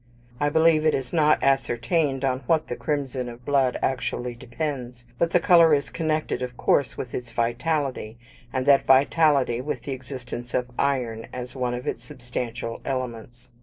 I believe it is not ascertained on what the crimson of blood actually depends; but the colour is connected, of course, with its vitality, and that vitality with the existence of iron as one of its substantial elements.